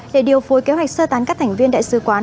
để điều phối kế hoạch sơ tán các thành viên đại sứ quán